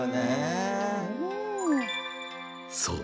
そう！